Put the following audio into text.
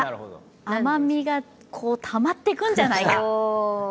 甘みがたまってくいんじゃないか？